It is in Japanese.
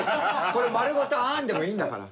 これ丸ごと「アン」でもいいんだから。